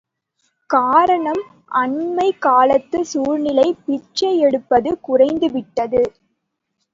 காரணம் அண்மைக் காலத்துச் சூழ்நிலை பிச்சை எடுப்பது குறைந்துவிட்டது.